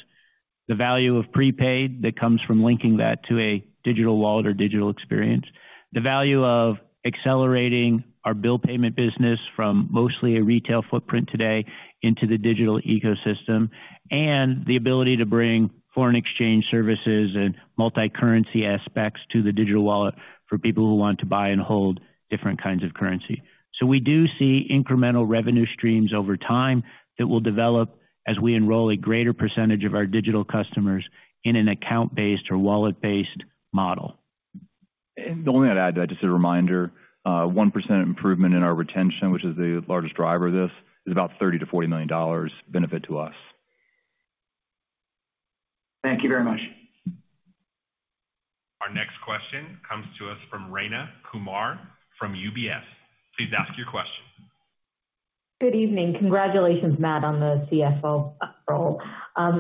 the value of prepaid that comes from linking that to a Digital Wallet or Digital experience, the value of accelerating our bill payment business from mostly a Retail footprint today into the Digital ecosystem, and the ability to bring foreign exchange services and multi-currency aspects to the Digital Wallet for people who want to buy and hold different kinds of currency. We do see incremental revenue streams over time that will develop as we enroll a greater percentage of our Digital customers in an Account-based or Wallet-based model. The only I'd add to that, just a reminder, 1% improvement in our retention, which is the largest driver of this, is about $30 million-$40 million benefit to us. Thank you very much. Our next question comes to us from Rayna Kumar from UBS. Please ask your question. Good evening. Congratulations Matt, on the CFO role.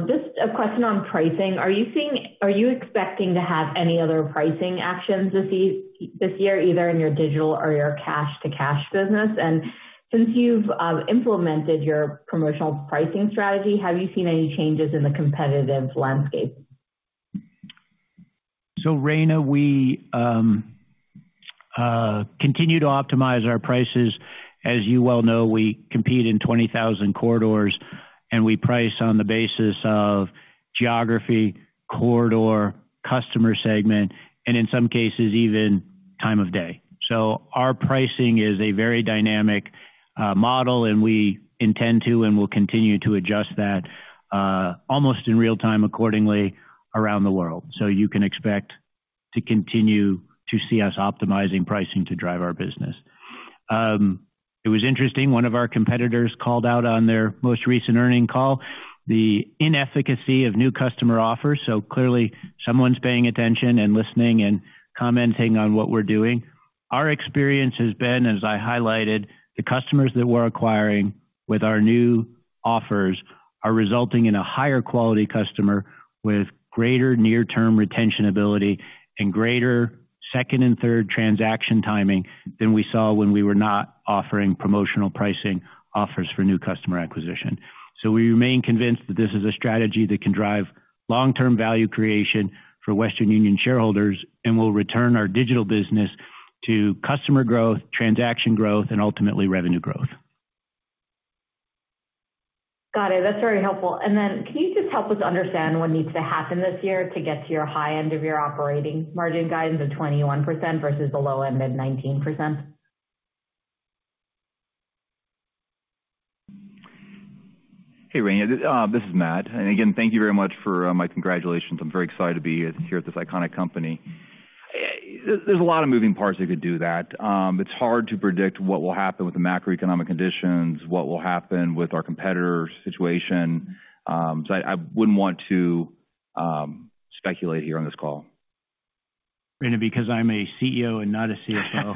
Just a question on pricing. Are you expecting to have any other pricing actions this year, either in your Digital or your Cash-to-Cash business? Since you've implemented your promotional pricing strategy, have you seen any changes in the competitive landscape? Rayna, we continue to optimize our prices. As you well know, we compete in 20,000 corridors, and we price on the basis of geography, corridor, customer segment, and in some cases, even time of day. Our pricing is a very dynamic model, and we intend to and will continue to adjust that almost in real-time accordingly around the world. You can expect to continue to see us optimizing pricing to drive our business. It was interesting, one of our competitors called out on their most recent earnings call, the inefficacy of new customer offers. Clearly someone's paying attention and listening and commenting on what we're doing. Our experience has been, as I highlighted, the customers that we're acquiring with our new offers are resulting in a higher quality customer with greater near-term retention ability and greater second and third transaction timing than we saw when we were not offering promotional pricing offers for new customer acquisition. We remain convinced that this is a strategy that can drive long-term value creation for Western Union shareholders and will return our Digital business to customer growth, transaction growth, and ultimately revenue growth. Got it. That's very helpful. Can you just help us understand what needs to happen this year to get to your high end of your operating margin guidance of 21% versus the low end mid-19%? Hey, Rayna, this is Matt. Again, thank you very much for my congratulations. I'm very excited to be here at this iconic company. There's a lot of moving parts that could do that. It's hard to predict what will happen with the macroeconomic conditions, what will happen with our competitor situation. So I wouldn't want to speculate here on this call. Rayna, because I'm a CEO and not a CFO,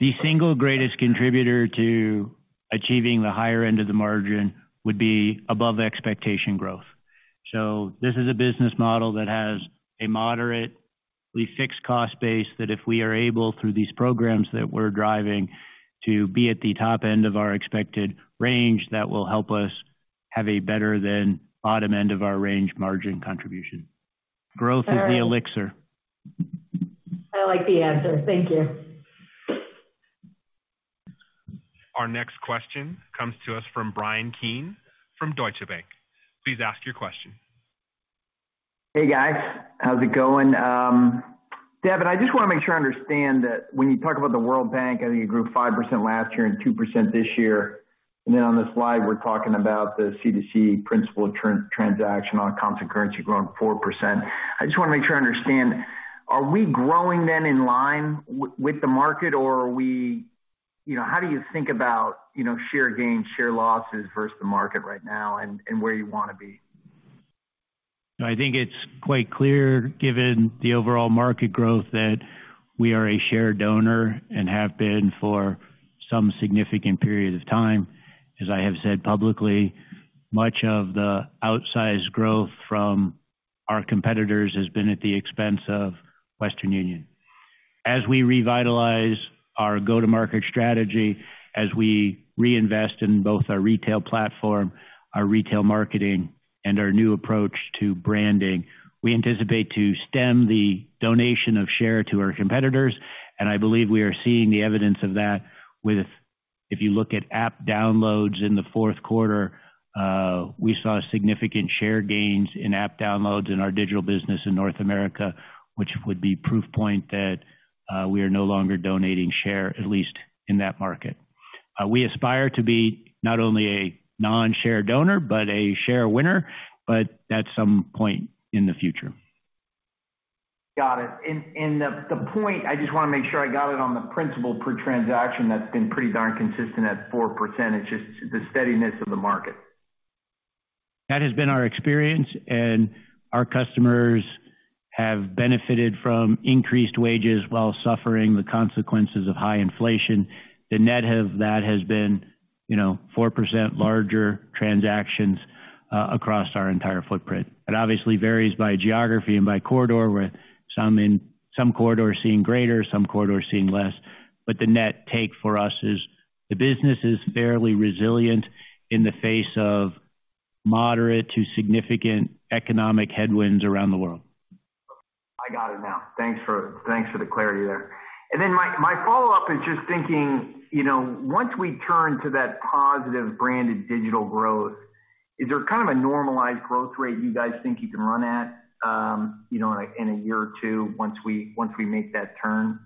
the single greatest contributor to achieving the higher end of the margin would be above expectation growth. This is a business model that has a moderately fixed cost base that if we are able through these programs that we're driving to be at the top end of our expected range, that will help us have a better than bottom end of our range margin contribution. Growth is the elixir. I like the answer. Thank you. Our next question comes to us from Bryan Keane from Deutsche Bank. Please ask your question. Hey, guys. How's it going? Devin, I just want to make sure I understand that when you talk about the World Bank, I think it grew 5% last year and 2% this year. On the slide, we're talking about the C2C principal transaction on a constant currency growing 4%. I just want to make sure I understand, are we growing then in line with the market or are we You know, how do you think about, you know, share gains, share losses versus the market right now and where you want to be? I think it's quite clear, given the overall market growth, that we are a share donor and have been for some significant period of time. As I have said publicly, much of the outsized growth from our competitors has been at the expense of Western Union. As we revitalize our go-to-market strategy, as we reinvest in both our Retail platform, our Retail marketing, and our new approach to branding, we anticipate to stem the donation of share to our competitors. I believe we are seeing the evidence of that with-- If you look at app downloads in the fourth quarter, we saw significant share gains in app downloads in our Digital business in North America, which would be proof point that we are no longer donating share, at least in that market. We aspire to be not only a non-share donor but a share winner, at some point in the future. Got it. The point, I just want to make sure I got it on the principal per transaction that's been pretty darn consistent at 4%. It's just the steadiness of the market. That has been our experience. Our customers have benefited from increased wages while suffering the consequences of high inflation. The net of that has been, you know, 4% larger transactions across our entire footprint. It obviously varies by geography and by corridor, with some corridors seeing greater, some corridors seeing less. The net take for us is the business is fairly resilient in the face of moderate to significant economic headwinds around the world. I got it now. Thanks for the clarity there. My follow-up is just thinking, you know, once we turn to that positive Branded Digital growth, is there kind of a normalized growth rate you guys think you can run at, you know, in a year or two once we make that turn?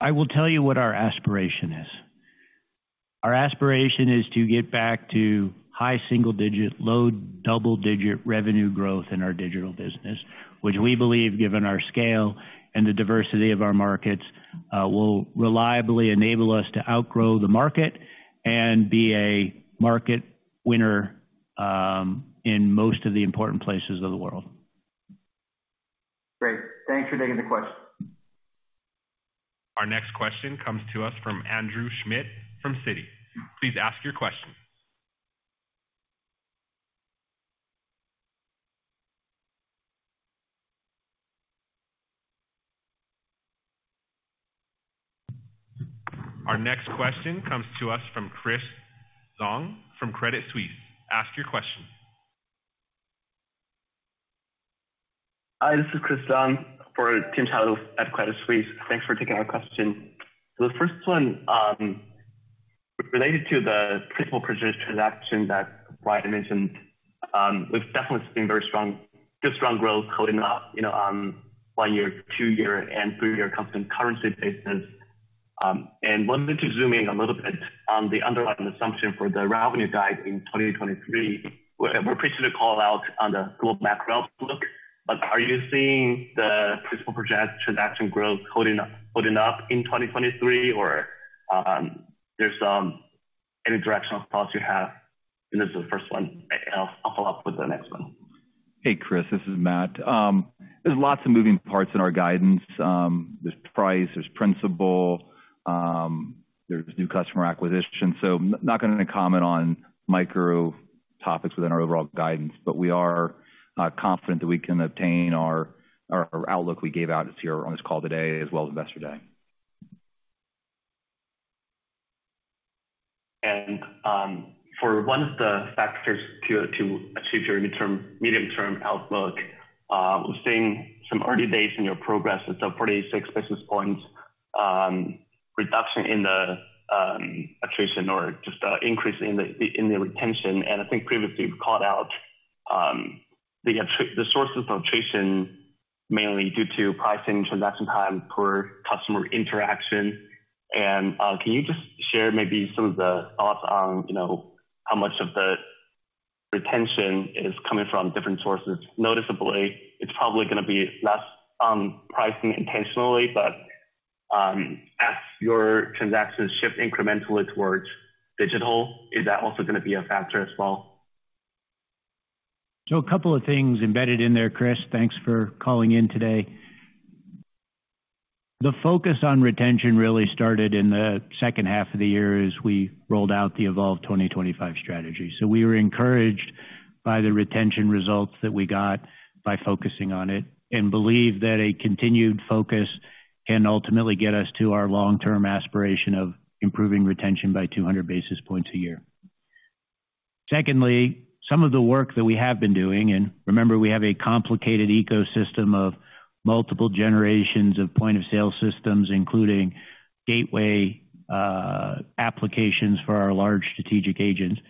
I will tell you what our aspiration is. Our aspiration is to get back to high single digit, low double digit revenue growth in our Digital business, which we believe, given our scale and the diversity of our markets, will reliably enable us to outgrow the market and be a market winner, in most of the important places of the world. Great. Thanks for taking the question. Our next question comes to us from Andrew Schmidt from Citi. Please ask your question. Our next question comes to us from Chris Zhang from Credit Suisse. Ask your question. Hi, this is Chris Zhang for Tim Chiodo at Credit Suisse. Thanks for taking our question. The first one, related to the principal purchase transaction that Bryan mentioned, we've definitely seen very strong, just strong growth holding up, you know, one year, two year and three year constant currency basis. Wanted to zoom in a little bit on the underlying assumption for the revenue guide in 2023. We're appreciative call out on the global macro outlook, are you seeing the physical project transaction growth holding up in 2023? There's any directional thoughts you have? This is the first one. I'll follow up with the next one. Hey, Chris, this is Matt. There's lots of moving parts in our guidance. There's price, there's principal, there's new customer acquisition. Not going to comment on micro topics within our overall guidance. We are confident that we can obtain our outlook we gave out this year on this call today as well as Investor Day. For one of the factors to achieve your medium term outlook, we're seeing some early days in your progress. It's a pretty six business points reduction in the attrition or just increase in the retention. I think previously you've called out the sources of attrition mainly due to pricing, transaction time, and poor customer interaction. Can you just share maybe some of the thoughts on, you know, how much of the retention is coming from different sources? Noticeably, it's probably gonna be less pricing intentionally, but as your transactions shift incrementally towards digital, is that also gonna be a factor as well? A couple of things embedded in there, Chris. Thanks for calling in today. We were encouraged by the retention results that we got by focusing on it and believe that a continued focus can ultimately get us to our long-term aspiration of improving retention by 200 basis points a year. Secondly, some of the work that we have been doing, and remember, we have a complicated ecosystem of multiple generations of point of sale systems, including gateway applications for our large strategic agents.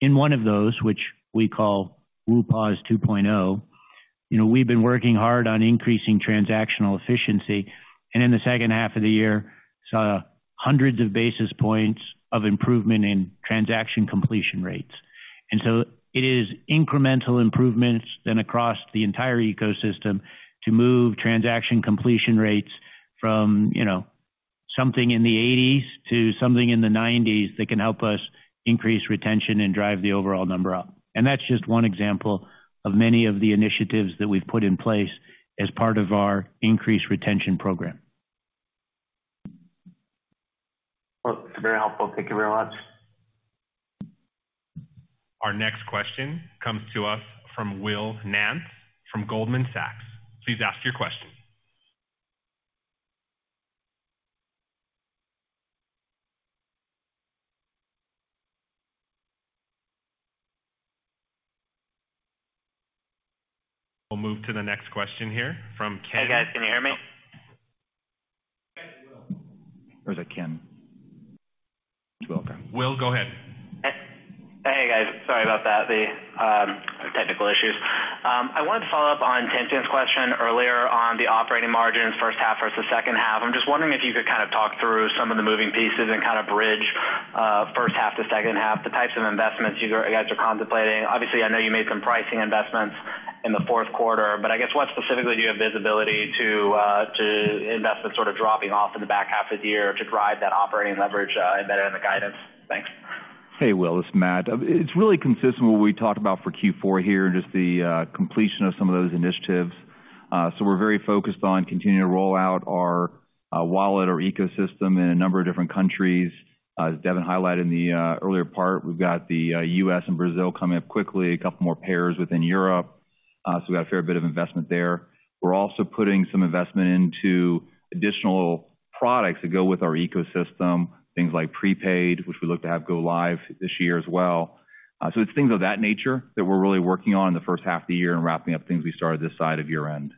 In one of those, which we call WUPOS 2.0, you know, we've been working hard on increasing transactional efficiency. In the second half of the year, saw hundreds of basis points of improvement in transaction completion rates. It is incremental improvements then across the entire ecosystem to move transaction completion rates from, you know, something in the eighties to something in the nineties that can help us increase retention and drive the overall number up. That's just one example of many of the initiatives that we've put in place as part of our increased retention program. Very helpful. Thank you very much. Our next question comes to us from Will Nance from Goldman Sachs. Please ask your question. We'll move to the next question here. Hey, guys. Can you hear me? Is it Ken? It's Will. Okay. Will, go ahead. Hey, guys, sorry about that, the technical issues. I wanted to follow up on Tien-Tsin's question earlier on the operating margins first half versus second half. I'm just wondering if you could kind of talk through some of the moving pieces and kind of bridge first half to second half the types of investments you guys are contemplating. Obviously, I know you made some pricing investments in the fourth quarter, but I guess what specifically do you have visibility to investments sort of dropping off in the back half of the year to drive that operating leverage embedded in the guidance? Hey, Will, it's Matt. It's really consistent what we talked about for Q4 here, just the completion of some of those initiatives. We're very focused on continuing to roll out our wallet or ecosystem in a number of different countries. As Devin highlighted in the earlier part, we've got the U.S. and Brazil coming up quickly, a couple more payers within Europe. We've got a fair bit of investment there. We're also putting some investment into additional products that go with our ecosystem, things like prepaid, which we look to have go live this year as well. It's things of that nature that we're really working on in the first half of the year and wrapping up things we started this side of year-end.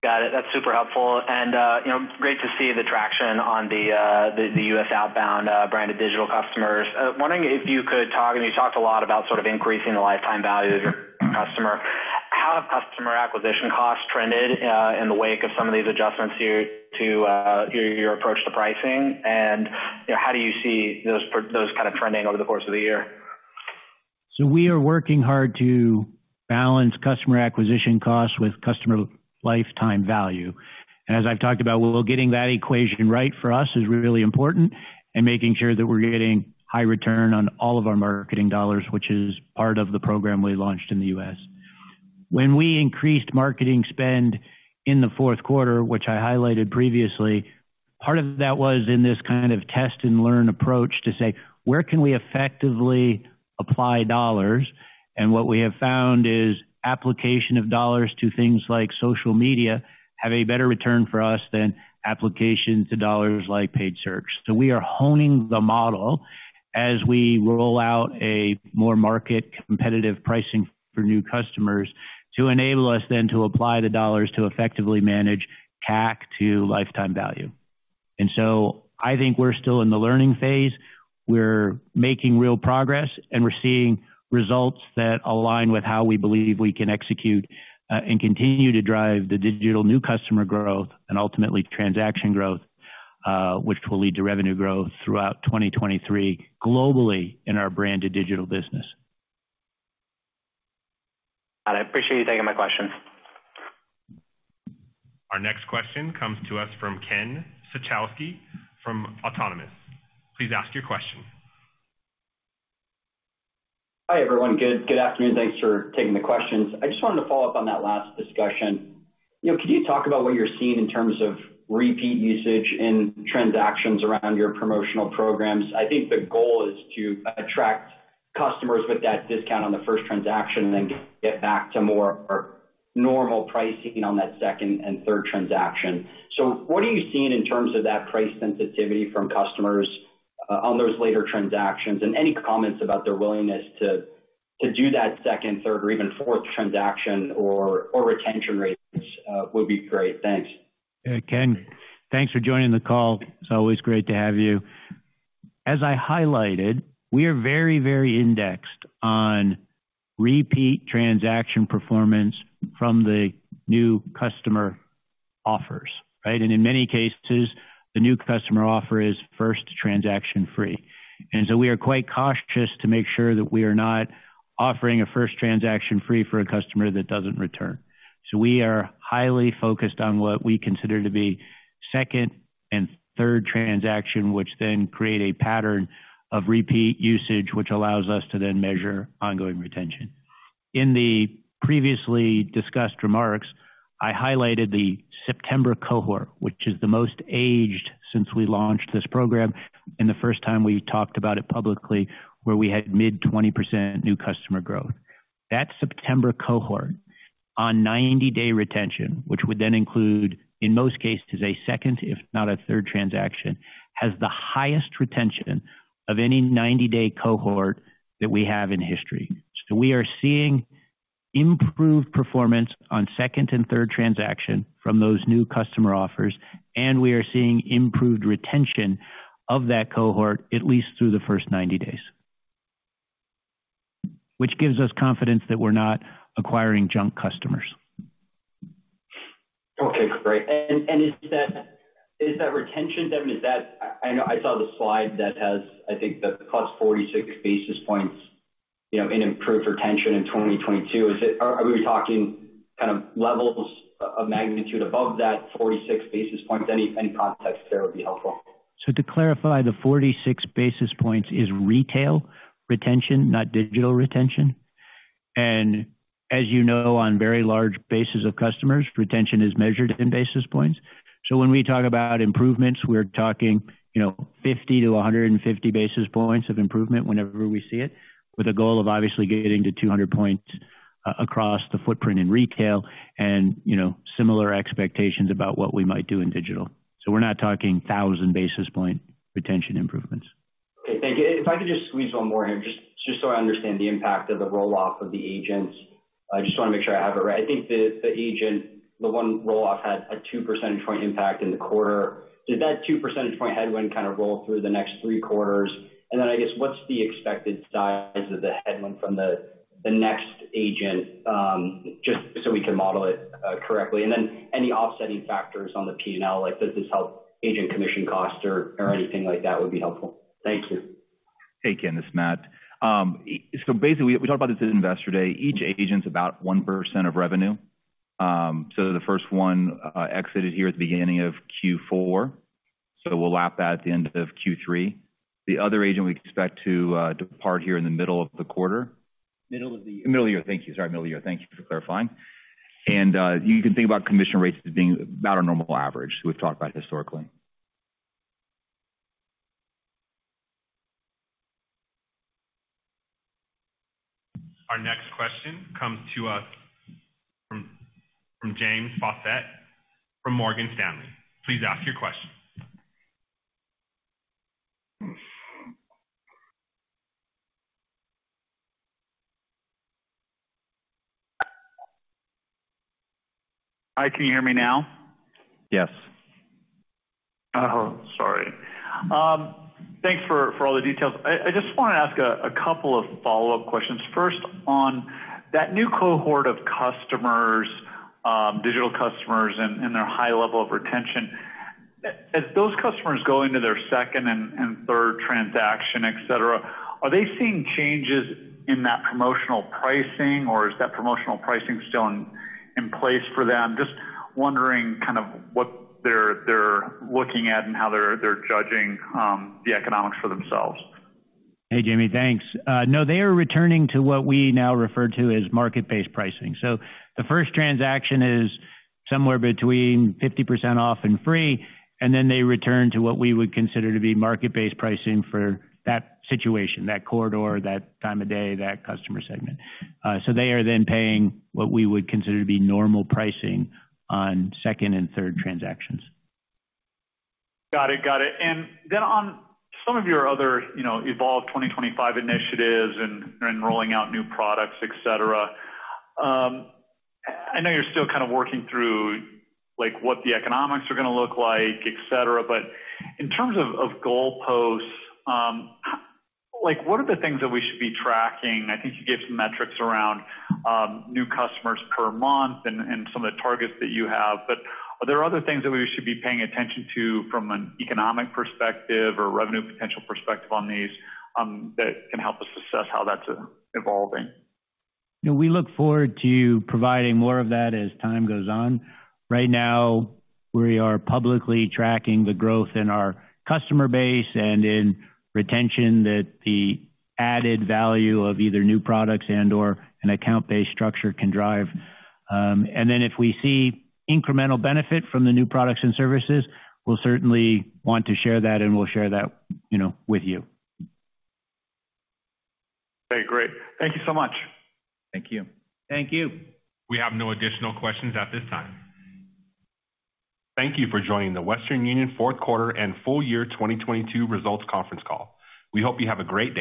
Got it. That's super helpful. You know, great to see the traction on the U.S. outbound, Branded Digital customers. Wondering if you could talk, and you talked a lot about sort of increasing the lifetime value of your customer. How have customer acquisition costs trended in the wake of some of these adjustments to your approach to pricing? You know, how do you see those kind of trending over the course of the year? We are working hard to balance customer acquisition costs with customer lifetime value. As I've talked about, Will, getting that equation right for us is really important and making sure that we're getting high return on all of our marketing dollars, which is part of the program we launched in the U.S. When we increased marketing spend in the fourth quarter, which I highlighted previously, part of that was in this kind of test and learn approach to say, where can we effectively apply dollars? What we have found is application of dollars to things like social media have a better return for us than application to dollars like paid search. We are honing the model as we roll out a more market competitive pricing for new customers to enable us then to apply the dollars to effectively manage CAC to lifetime value. I think we're still in the learning phase. We're making real progress, and we're seeing results that align with how we believe we can execute, and continue to drive the Digital new customer growth and ultimately transaction growth, which will lead to revenue growth throughout 2023 globally in our Branded Digital business. I appreciate you taking my questions. Our next question comes to us from Ken Suchoski from Autonomous. Please ask your question. Hi, everyone. Good afternoon. Thanks for taking the questions. I just wanted to follow up on that last discussion. You know, could you talk about what you're seeing in terms of repeat usage in transactions around your promotional programs? I think the goal is to attract customers with that discount on the first transaction, and then get back to more normal pricing on that second and third transaction. What are you seeing in terms of that price sensitivity from customers on those later transactions? Any comments about their willingness to do that second, third or even fourth transaction or retention rates would be great. Thanks. Ken, thanks for joining the call. It's always great to have you. As I highlighted, we are very, very indexed on repeat transaction performance from the new customer offers, right? In many cases, the new customer offer is first transaction free. We are quite cautious to make sure that we are not offering a first transaction free for a customer that doesn't return. We are highly focused on what we consider to be second and third transaction, which create a pattern of repeat usage, which allows us to measure ongoing retention. In the previously discussed remarks, I highlighted the September cohort, which is the most aged since we launched this program, the first time we talked about it publicly, where we had mid 20% new customer growth. That September cohort on 90-day retention, which would then include, in most cases, a second, if not a third transaction, has the highest retention of any 90-day cohort that we have in history. We are seeing improved performance on second and third transaction from those new customer offers, and we are seeing improved retention of that cohort at least through the first 90 days. Which gives us confidence that we're not acquiring junk customers. Okay, great. Is that retention then? I know I saw the slide that has, I think, the plus 46 basis points, you know, in improved retention in 2022. Are we talking kind of levels of magnitude above that 46 basis points? Any context there would be helpful. To clarify, the 46 basis points is Retail retention, not Digital retention. As you know, on very large bases of customers, retention is measured in basis points. When we talk about improvements, we're talking, you know, 50-150 basis points of improvement whenever we see it, with a goal of obviously getting to 200 points across the footprint in Retail and, you know, similar expectations about what we might do in digital. We're not talking 1,000 basis point retention improvements. Okay, thank you. If I could just squeeze one more here, just so I understand the impact of the roll-off of the agents. I just wanna make sure I have it right. I think the agent, the one roll-off had a 2 percentage point impact in the quarter. Did that two percentage point headwind kind of roll through the next three quarters? Then I guess what's the expected size of the headwind from the next agent, just so we can model it correctly. Then any offsetting factors on the P&L, like does this help agent commission costs or anything like that would be helpful. Thank you. Hey, Ken, this is Matt. Basically, we talked about this at Investor Day. Each agent's about 1% of revenue. The first one, exited here at the beginning of Q4, so we'll lap that at the end of Q3. The other agent we expect to depart here in the middle of the quarter. Middle of the year. Middle of the year. Thank you. Sorry, middle of the year. Thank you for clarifying. You can think about commission rates as being about our normal average we've talked about historically. Our next question comes to us from James Faucette from Morgan Stanley. Please ask your question. Hi, can you hear me now? Yes. Oh, sorry. Thanks for all the details. I just wanna ask a couple of follow-up questions. First, on that new cohort of customers, Digital customers and their high level of retention, as those customers go into their second and third transaction, et cetera, are they seeing changes in that promotional pricing, or is that promotional pricing still in place for them? Just wondering kind of what they're looking at and how they're judging the economics for themselves. Hey, Jamie. Thanks. No, they are returning to what we now refer to as market-based pricing. The first transaction is somewhere between 50% off and free, they return to what we would consider to be market-based pricing for that situation, that corridor, that time of day, that customer segment. They are then paying what we would consider to be normal pricing on second and third transactions. Got it. Then on some of your other, you know, Evolve 2025 initiatives and rolling out new products, et cetera, I know you're still kind of working through, like, what the economics are gonna look like, et cetera, but in terms of goalposts, like, what are the things that we should be tracking? I think you gave some metrics around new customers per month and some of the targets that you have. Are there other things that we should be paying attention to from an economic perspective or revenue potential perspective on these, that can help us assess how that's evolving? You know, we look forward to providing more of that as time goes on. Right now, we are publicly tracking the growth in our customer base and in retention that the added value of either new products and/or an account-based structure can drive. If we see incremental benefit from the new products and services, we'll certainly want to share that, and we'll share that, you know, with you. Okay, great. Thank you so much. Thank you. Thank you. We have no additional questions at this time. Thank you for joining the Western Union fourth quarter and full year 2022 results conference call. We hope you have a great day.